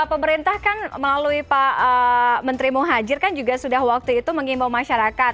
pemerintah kan melalui pak menteri muhajir kan juga sudah waktu itu mengimbau masyarakat